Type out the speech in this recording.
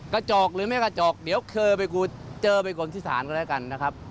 จอกหรือไม่กระจอกเดี๋ยวเคยไปเจอเป็นคนที่ศาลก็แล้วกันนะครับ